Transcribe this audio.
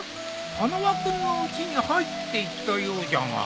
花輪君のうちに入っていったようじゃが。